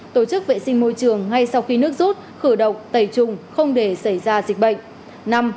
tổ chức vệ sinh môi trường ngay sau khi nước rút khử độc tẩy trùng không để xảy ra dịch bệnh